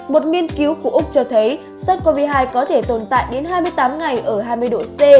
một nghiên cứu của úc cho thấy sars cov hai có thể tồn tại đến hai mươi tám ngày ở hai mươi độ c